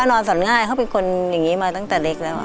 นอนสรรของเขาเป็นคนไปตั้งแต่เด็กแล้ว